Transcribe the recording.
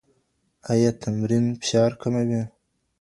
ایا تمرین فشار کموي؟